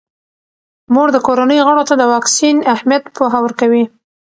مور د کورنۍ غړو ته د واکسین اهمیت پوهه ورکوي.